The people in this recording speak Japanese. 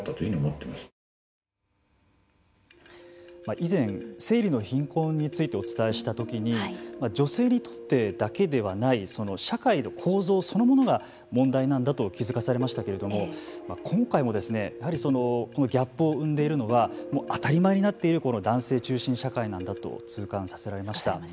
以前「生理の貧困」についてお伝えしたときに女性にとってだけではない社会の構造そのものが問題なんだと気付かされましたけれども今回もやはりギャップを生んでいるのは当たり前になっている男性中心社会なんだと痛感させられました。